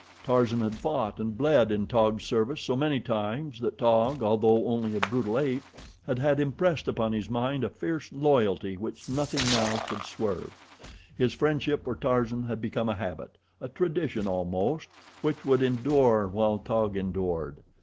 Tarzan had fought and bled in Taug's service so many times that Taug, although only a brutal ape, had had impressed upon his mind a fierce loyalty which nothing now could swerve his friendship for Tarzan had become a habit, a tradition almost, which would endure while Taug endured.